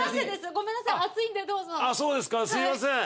ごめんなさい暑いんでどうぞあぁそうですかすいません